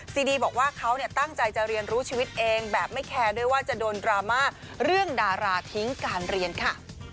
ซีดีบอกว่าเขาตั้งใจจะเรียนรู้ชีวิตเองแบบไม่แคร์ด้วยว่าจะโดนดราม่าเรื่องดาราทิ้งการเรียนค่ะ